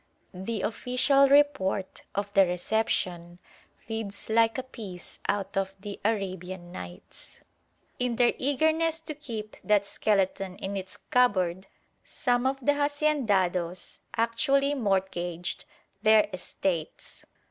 The official report of the reception reads like a piece out of the Arabian Nights. In their eagerness to keep that skeleton in its cupboard some of the haciendados actually mortgaged their estates.